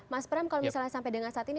mas prem kalau misalnya sampai dengan ini